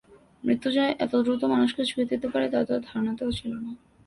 মৃত্যু যে এত দ্রুত মানুষকে ছুঁয়ে দিতে পারে তা তার ধারণাতেও ছিল না।